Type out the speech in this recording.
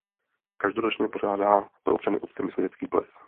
Každoročně pořádá pro občany obce Myslivecký ples.